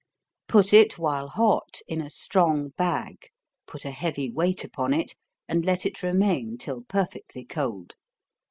Put it while hot in a strong bag, put a heavy weight upon it, and let it remain till perfectly cold.